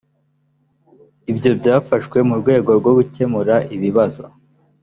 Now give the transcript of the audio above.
ibyo byafashwe mu rwego rwo gukemura ibibazo.